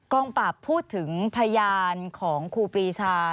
งปราบพูดถึงพยานของครูปรีชา